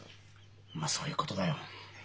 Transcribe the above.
まあそういうことだよ。